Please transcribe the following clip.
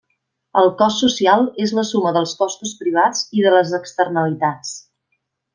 El cost social és la suma dels costos privats i de les externalitats.